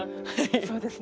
そうですね。